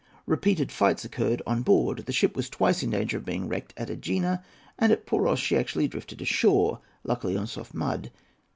Repeated fights occurred on board. The ship was twice in danger of being wrecked at Egina, and at Poros she actually drifted ashore, luckily on soft mud.